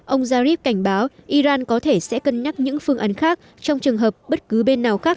ông zarif cảnh báo iran có thể sẽ cân nhắc những phương án khác trong trường hợp bất cứ bên nào khác